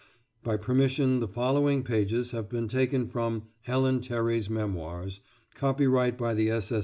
By permission the following pages have been taken from "Ellen Terry's Memoirs," copyright by the S. S.